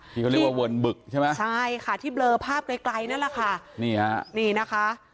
ที่เขาเรียกว่าวนบึกใช่ไหมใช่ค่ะที่เบลอภาพไกลไกลนั่นแหละค่ะนี่ฮะนี่นะคะ